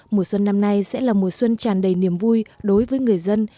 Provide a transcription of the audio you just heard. mùa xuân năm nay sẽ là mùa xuân tràn đầy niềm vui đối với người dân